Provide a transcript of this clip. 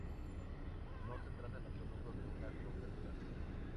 No se trata en absoluto de una conversión.